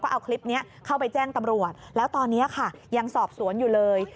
เอาคลิปนี้เข้าไปแจ้งตำรวจแล้วตอนนี้ค่ะยังสอบสวนอยู่เลย